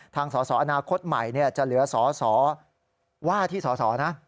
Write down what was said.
ทางสออนาคตใหม่จะเหลือสอว่าที่สอนะ